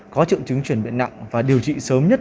có triệu chứng chuyển biến nặng và điều trị sớm nhất